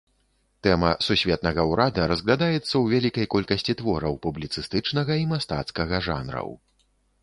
Тэма сусветнага ўрада разглядаецца ў вялікай колькасці твораў публіцыстычнага і мастацкага жанраў.